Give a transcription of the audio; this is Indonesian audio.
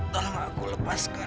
tolong aku lepaskan